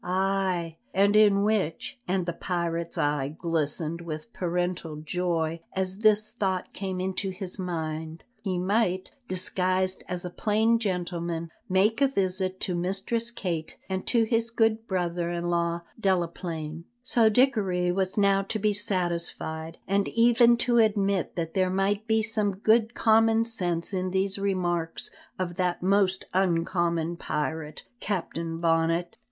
Ay! and in which and the pirate's eye glistened with parental joy as this thought came into his mind he might, disguised as a plain gentleman, make a visit to Mistress Kate and to his good brother in law, Delaplaine. So Dickory was now to be satisfied, and even to admit that there might be some good common sense in these remarks of that most uncommon pirate, Captain Bonnet.